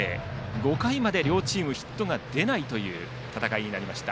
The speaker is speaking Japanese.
５回まで両チームヒットが出ない戦いになりました。